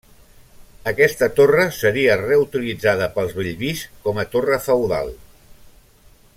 Aquesta torre, seria reutilitzada, pels Bellvís com a torre feudal.